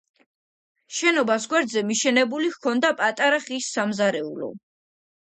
შენობას გვერდზე მიშენებული ჰქონდა პატარა ხის სამზარეულო.